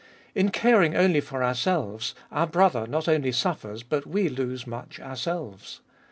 In caring only for ourselves, our brother not only suffers, but we lose much ourselves.